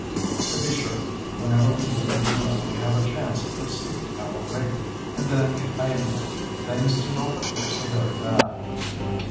To be sure, whenever we meet a balloon we have a chance of perceiving our rate, and then, I admit, things do not appear so very bad.